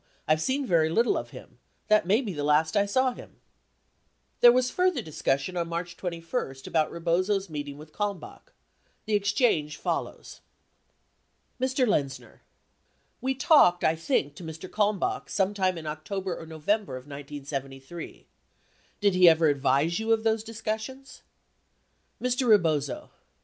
I've seen very little of him. That may be the last I saw him. There was further discussion on March 21, about Rebozo's meet ings with Kalmbach. The exchange follows : Mr. Lexzner. We talked, I think, to Mr. Kalmbach some time in October or November of 1973. Did he ever advise you of those discussions ? Mr. Rebozo.